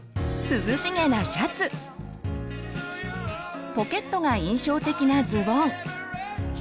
涼しげなシャツポケットが印象的なズボン